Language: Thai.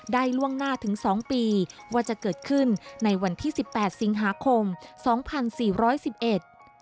ล่วงหน้าถึงสองปีว่าจะเกิดขึ้นในวันที่สิบแปดสิงหาคมสองพันสี่ร้อยสิบเอ็ด